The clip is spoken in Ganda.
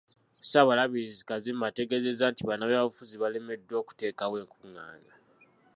Ssaabalabirizi Kazimba ategeeezezza nti bannabyabufuzi balemeddwa okuteekawo enkung'aana.